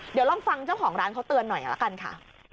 เดี๋ยวลองฟังเจ้าของร้านเขาเตือนหน่อยละกันค่ะ